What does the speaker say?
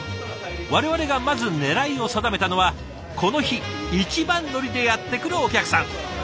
我々がまず狙いを定めたのはこの日一番乗りでやって来るお客さん。